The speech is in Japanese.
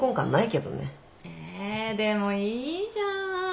えでもいいじゃん。